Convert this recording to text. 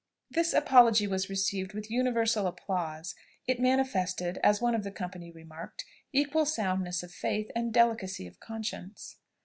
This apology was received with universal applause; it manifested, as one of the company remarked, equal soundness of faith, and delicacy of conscience.